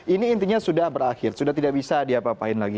ini intinya sudah berakhir sudah tidak bisa diapapain lagi